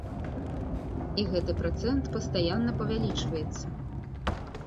І гэты працэнт пастаянна павялічваецца.